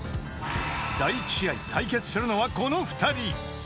［第１試合対決するのはこの２人］